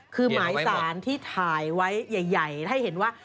คือหมายสารที่ถ่ายไว้ใหญ่ให้เห็นว่า